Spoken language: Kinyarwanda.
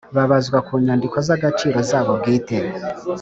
babazwa ku nyandiko z agaciro zabo bwite